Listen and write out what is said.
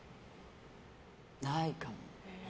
ないかも。